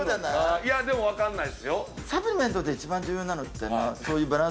いやでも分かんないっすよ。